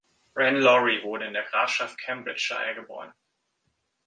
Ran Laurie wurde in der Grafschaft Cambridgeshire geboren.